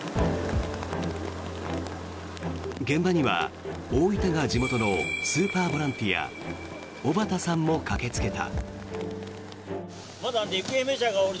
現場には、大分が地元のスーパーボランティア尾畠さんも駆けつけた。